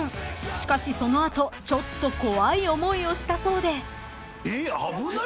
［しかしその後ちょっと怖い思いをしたそうで］え危ない。